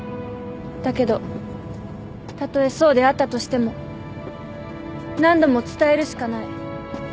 だけどたとえそうであったとしても何度も伝えるしかない。